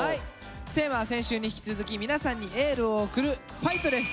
テーマは先週に引き続き皆さんにエールを送る「ファイト」です！